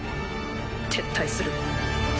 撤退する。